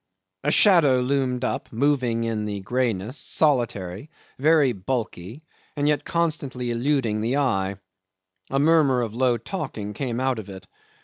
A shadow loomed up, moving in the greyness, solitary, very bulky, and yet constantly eluding the eye. A murmur of low talking came out of it.